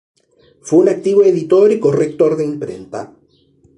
Fue un activo editor y corrector de imprenta.